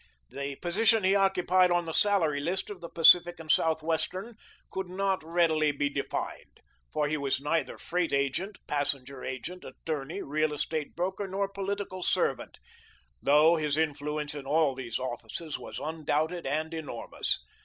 The position he occupied on the salary list of the Pacific and Southwestern could not readily be defined, for he was neither freight agent, passenger agent, attorney, real estate broker, nor political servant, though his influence in all these offices was undoubted and enormous.